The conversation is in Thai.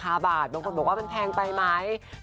เกี่ยวกับราคาบาทบางคนบอกว่ามันแพงไปไหม